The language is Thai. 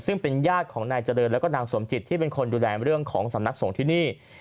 ซึ่งเป็นญาติของนายเจริญแล้วก็นางสมจิตที่เป็นคนดูแลเรื่องของสำนักสงฆ์ที่นี่